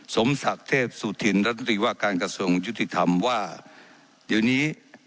สมศักดิ์เทพสุธินรัฐมนตรีว่าการกระทรวงยุติธรรมว่าเดี๋ยวนี้